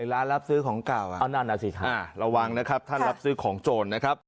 ร้านรับซื้อของเก่าระวังนะครับถ้ารับซื้อของโจรนะครับ